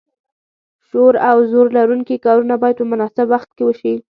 شور او زور لرونکي کارونه باید په مناسب وخت کې وشي.